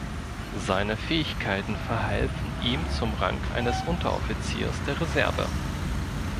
Seine Fähigkeiten verhalfen ihm zum Rang eines Unteroffiziers der Reserve.